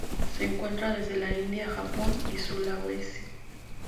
Se encuentra desde la India a Japón y Sulawesi.